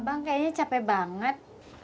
abang kayaknya capek banget